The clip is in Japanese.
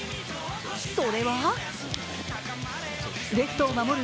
それはレフトを守る